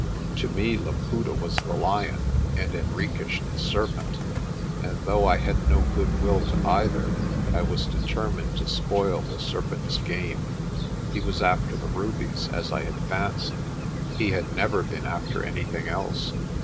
To me Laputa was the lion, and Henriques the serpent; and though I had no good will to either, I was determined to spoil the serpent's game. He was after the rubies, as I had fancied ; he had never been after anything else.